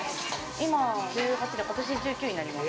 今１８で、今年１９になります。